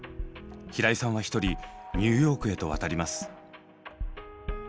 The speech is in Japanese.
平井さんは１人二ューヨークへと渡ります。